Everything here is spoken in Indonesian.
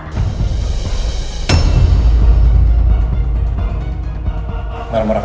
dia di depan marah marah mbak